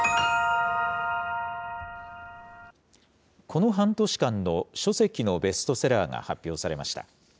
この半年間の書籍のベストセラーが発表されました。